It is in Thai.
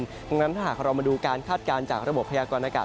ดังนั้นถ้าหากเรามาดูการคาดการณ์จากระบบพยากรณากาศ